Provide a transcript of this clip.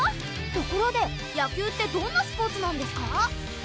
ところで野球ってどんなスポーツなんですか？